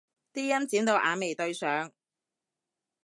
啲陰剪到眼眉對上